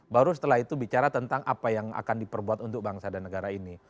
baru setelah itu bicara tentang apa yang akan diperbuat untuk bangsa dan negara ini